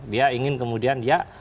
dia ingin kemudian dia